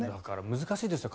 難しいですよ。